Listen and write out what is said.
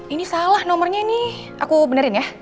ini salah nomornya ini aku benerin ya